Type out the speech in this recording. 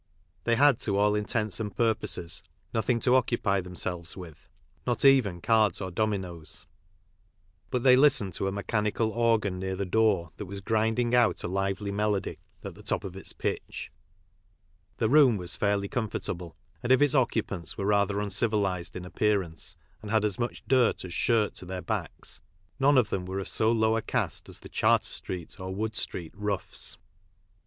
They had to all intents and purposes nothing to occupy themselves with, not even cards or dominoes, but they listened to a me chanical organ near the door that was grinding out a lively melody at the top of its pitch. The room was fairly comfortable, and if its occupants were rather uncivilised in appearance, and had as much dirt as shirt to their backs, none of them were of so low a cast as the (Jharter street or Wood street roughs.